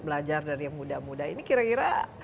belajar dari yang muda muda ini kira kira